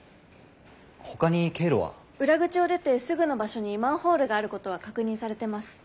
裏口を出てすぐの場所にマンホールがあることは確認されてます。